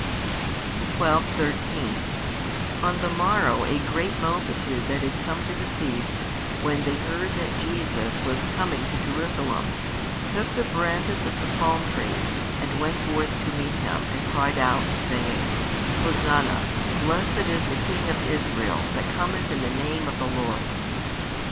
|141 12,13 On the morrow a great multitude that had come to the feast when they heard that Jesus was coming to Jerusalem, took the branches of the palm trees, and went forth to meet Him, and cried out, saying: Hosanna: Blessed is the King of Israel that cometh in the Name of the Lord.